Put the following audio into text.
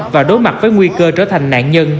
và đối mặt với nguy cơ trở thành nạn nhân